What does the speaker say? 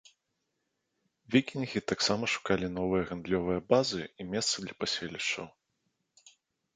Вікінгі таксама шукалі новыя гандлёвыя базы і месцы для паселішчаў.